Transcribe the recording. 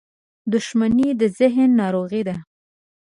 • دښمني د ذهن ناروغي ده.